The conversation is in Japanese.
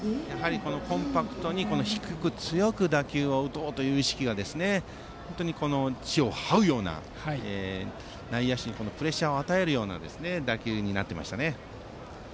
コンパクトに低く強く打球を打とうという意識が地をはうような内野手にプレッシャーを与えるような打球になっていましたね。